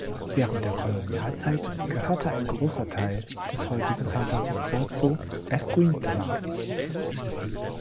Während der Kolonialzeit gehörte ein großer Teil des heutigen Santa Rosa zu Escuintla.